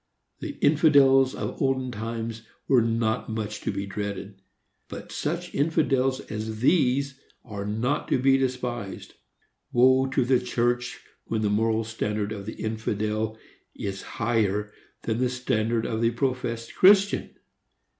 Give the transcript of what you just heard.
The infidels of olden times were not much to be dreaded, but such infidels as these are not to be despised. Woe to the church when the moral standard of the infidel is higher than the standard of the professed Christian!